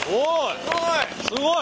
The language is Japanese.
すごい！